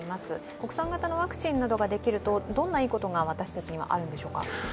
国産型のワクチンなどができると、どんないいことが私たちにはあるんでしょうか？